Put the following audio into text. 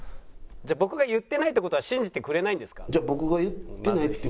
「じゃあ僕が言ってないって事は信じてくれないんですか？」。